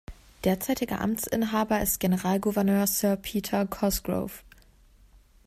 Derzeitiger Amtsinhaber ist Generalgouverneur Sir Peter Cosgrove.